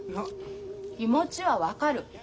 気持ちは分かる。